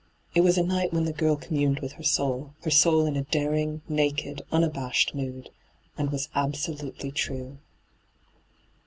It was a night when the girl com muned with her soul — her soul in a daring, naked, unabashed mood — and was absolutely true.